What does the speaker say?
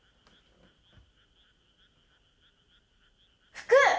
服！